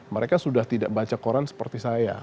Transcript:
mereka sudah tidak baca koran seperti saya